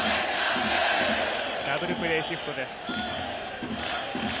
ダブルプレーシフトです。